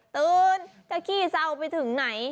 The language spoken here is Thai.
ตื่นถ้าขี้เศร้าไปถึงไหน